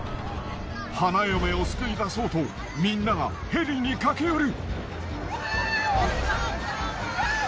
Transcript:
花嫁を救い出そうとみんながヘリに駆け寄る。